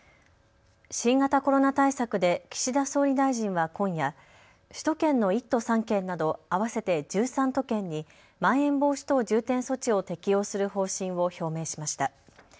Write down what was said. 新型コロナ対策で岸田総理大臣は今夜、首都圏の１都３県など合わせて１３都県にまん延防止等重点措置を適用する方針を表明しました。